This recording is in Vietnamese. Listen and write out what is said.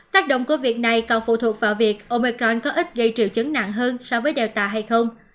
tác động của việc này còn phụ thuộc vào việc omicron có ít gây triệu chứng nặng hơn so với delta hay không